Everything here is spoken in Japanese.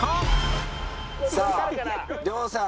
さあ亮さん